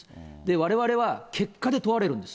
われわれは結果で問われるんです。